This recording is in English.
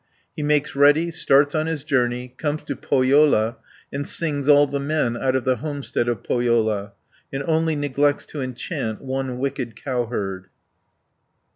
He makes ready, starts on his journey, comes to Pohjola, and sings all the men out of the homestead of Pohjola; and only neglects to enchant one wicked cowherd (213 504).